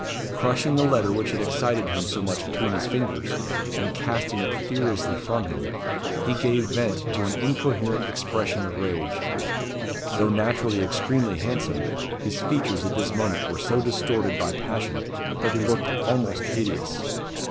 Crushing the letter which had excited him so much between his fingers, and casting it furiously from him, he gave vent to an incoherent expression of rage. Though naturally extremely handsome, his features at this moment were so distorted by passion that they looked almost hideous.